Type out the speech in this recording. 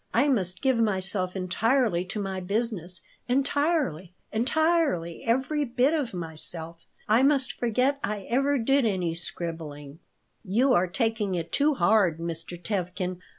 I must give myself entirely to my business, entirely, entirely every bit of myself. I must forget I ever did any scribbling." "You are taking it too hard, Mr. Tevkin.